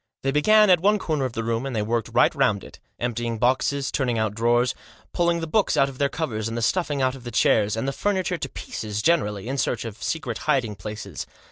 They began at one corner of the room, and they worked right round it, emptying boxes, turning out drawers, pulling the books out of their covers, and the stuffing out of the chairs, and the furniture to pieces generally, in search of secret hiding places.